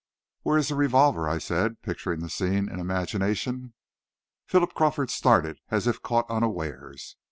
"Where is the revolver?" I said, picturing the scene in imagination. Philip Crawford started as if caught unawares.